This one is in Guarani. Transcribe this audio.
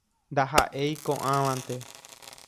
Ndaha'éi ko'ãvante.